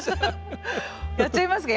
やっちゃいますか。